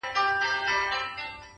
پوښتني لا هم ژوندۍ پاتې کيږي تل,